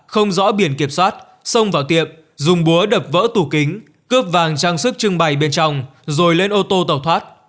không rõ biển kiểm soát xông vào tiệm dùng búa đập vỡ tủ kính cướp vàng trang sức trưng bày bên trong rồi lên ô tô tàu thoát